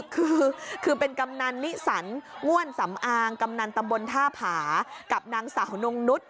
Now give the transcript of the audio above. คือคือเป็นกำนันนิสันง่วนสำอางกำนันตำบลท่าผากับนางสาวนงนุษย